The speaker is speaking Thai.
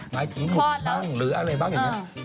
หมายถึง๖บ้างหรืออะไรบ้างอย่างนี้